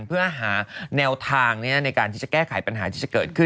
เพื่อหาแนวทางในการที่จะแก้ไขปัญหาที่จะเกิดขึ้น